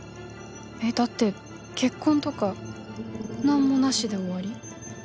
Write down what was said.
えっだって結婚とか何もなしで終わり？